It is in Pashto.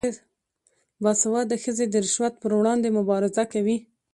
باسواده ښځې د رشوت پر وړاندې مبارزه کوي.